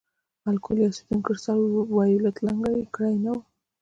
الکول یا اسیټون کرسټل وایولېټ رنګ لرې کړی نه وي.